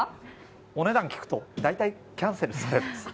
お値段聞くと、大体キャンセルされます。